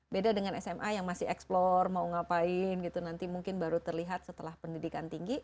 beda dengan sma yang masih eksplor mau ngapain gitu nanti mungkin baru terlihat setelah pendidikan tinggi